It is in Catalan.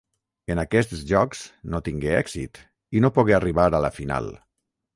En aquests Jocs no tingué èxit i no pogué arribar a la final.